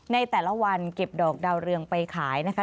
ในแต่ละวันเก็บดอกดาวเรืองไปขายนะคะ